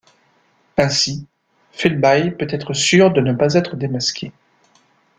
Ainsi, Philby peut être sûr de ne pas être démasqué.